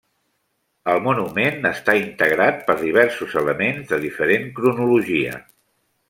El monument està integrat per diversos elements de diferent cronologia.